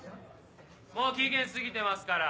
もう期限過ぎてますから。